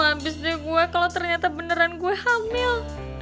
habis dari gue kalau ternyata beneran gue hamil